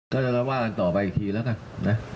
ก็จะว่ากันต่อไปอีกทีแล้วกันนะ